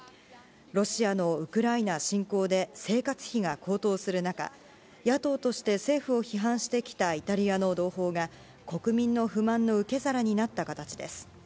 ロシアのウクライナ侵攻で、生活費が高騰する中、野党として政府を批判してきたイタリアの同胞が、国民の不満の受け皿になった形です。